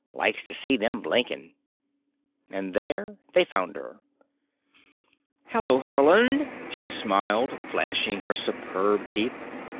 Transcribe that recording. Likes to see them blinking." And there they found her. "Hello, Haarland," she smiled, flashing her superb teeth.